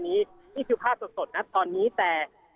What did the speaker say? นี่คือภาพสดนะตอนนี้แต่